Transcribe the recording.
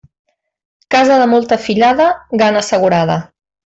Casa de molta fillada, gana assegurada.